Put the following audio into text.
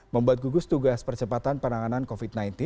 membuat gugus tugas percepatan penanganan covid sembilan belas